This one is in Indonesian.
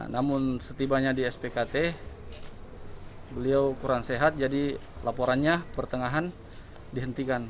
namun setibanya di spkt beliau kurang sehat jadi laporannya pertengahan dihentikan